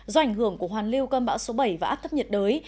do ảnh hưởng của hoàn lưu cơm bão số bảy và áp thấp nhiệt đới